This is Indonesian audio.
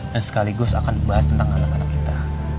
dan sekaligus akan membahas tentang anak anak kita